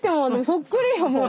そっくりやもん。